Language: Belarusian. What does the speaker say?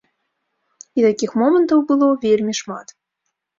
І такіх момантаў было вельмі шмат.